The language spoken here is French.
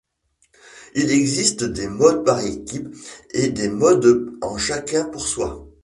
Il existe des modes par équipe et des modes en chacun-pour-soi.